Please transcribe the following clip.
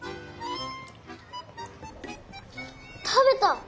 食べた！